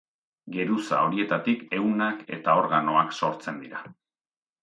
Geruza horietatik ehunak eta organoak sortzen dira.